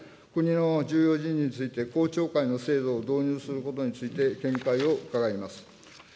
国の重要人事について公聴会の制度を導入することについて、見解を伺います。